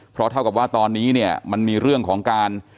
เพราะเท่ากับว่าตอนนี้เนี่ยมันมีเรื่องของการ